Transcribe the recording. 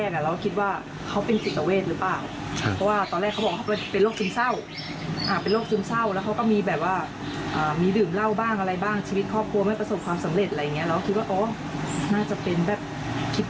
เอามาเร็วคือภูตัวหน้าลูกค้าและแม่คือเกรงใจครับ